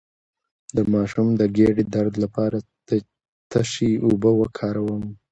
د ماشوم د ګیډې درد لپاره د څه شي اوبه وکاروم؟